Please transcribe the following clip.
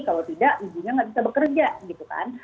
kalau tidak ibu ibunya nggak bisa bekerja gitu kan